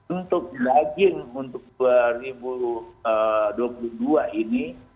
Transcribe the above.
untuk daging untuk dua ribu dua puluh dua ini